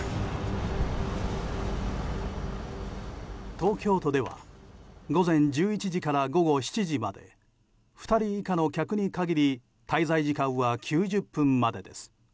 東京都では午前１１時から午後７時まで２人以下の客に限り滞在時間は９０分までです。